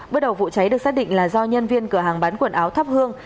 bước đầu vụ cháy được xác định là do nhân viên cửa hàng bán quần áo thắp hương